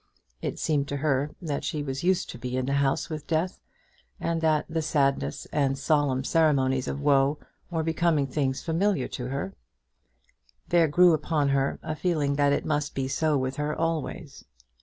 It seemed to her that she was used to be in the house with death, and that the sadness and solemn ceremonies of woe were becoming things familiar to her. There grew upon her a feeling that it must be so with her always.